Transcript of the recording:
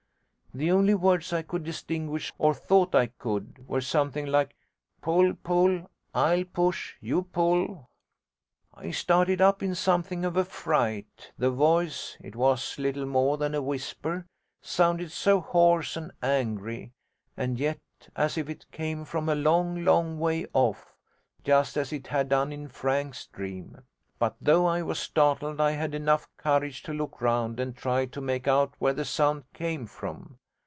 The only words I could distinguish, or thought I could, were something like "Pull, pull. I'll push, you pull." 'I started up in something of a fright. The voice it was little more than a whisper sounded so hoarse and angry, and yet as if it came from a long, long way off just as it had done in Frank's dream. But, though I was startled, I had enough courage to look round and try to make out where the sound came from.